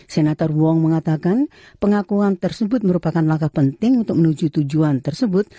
senator whong mengatakan pengakuan tersebut merupakan langkah penting untuk menuju tujuan tersebut